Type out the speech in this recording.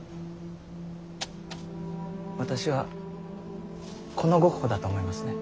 私はこのゴッホだと思いますね。